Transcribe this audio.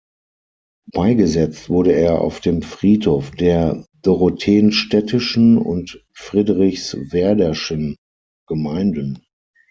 Beigesetzt wurde er auf dem Friedhof der Dorotheenstädtischen und Friedrichswerderschen Gemeinden.